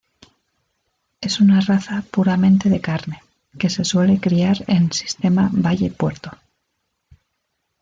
Es una raza puramente de carne, que se suele criar en sistema valle-puerto.